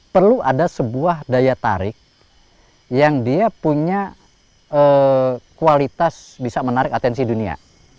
perlu ada sebuah daya tarik yang dia punya kualitas bisa menarik atensi dunia